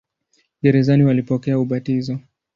Gerezani walipokea ubatizo.